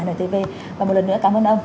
ntv và một lần nữa cảm ơn ông